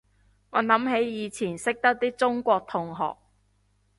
我諗起以前識得啲中國同學